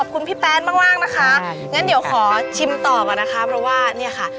พี่แป๊ดมากมากนะคะงั้นเดี๋ยวขอชิมต่อก่อนนะคะเพราะว่าเนี่ยค่ะ